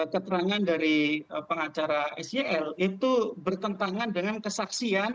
keterangan dari pengacara sel itu bertentangan dengan kesaksian